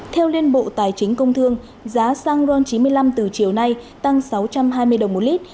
theo liên bộ tài chính công thương giá xăng ron chín mươi năm từ chiều nay tăng sáu trăm hai mươi đồng một lít